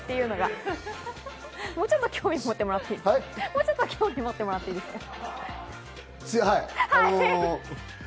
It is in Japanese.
もうちょっと興味を持ってもらっていいですか？